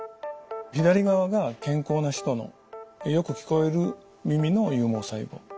左側が健康な人のよく聞こえる耳の有毛細胞。